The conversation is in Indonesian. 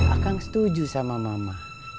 akang setuju sama mama